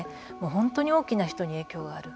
本当に多くの人に影響がある。